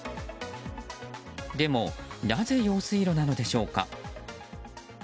でも、なぜ用水路なのでしょうか。